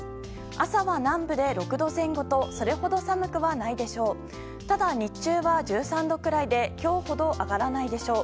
朝は、南部で６度前後とそれほど寒くはないでしょう。